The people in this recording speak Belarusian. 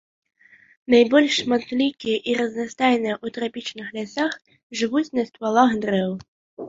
Найбольш шматлікія і разнастайныя ў трапічных лясах, жывуць на ствалах дрэў.